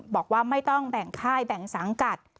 บอกว่าไม่ต้องแบ่งค่ายแบ่งสังกัด